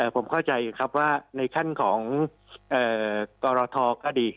ผมเข้าใจอยู่ครับว่าในขั้นของกรทก็ดี